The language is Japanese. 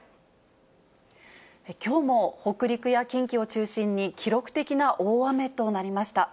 きょうも北陸や近畿を中心に、記録的な大雨となりました。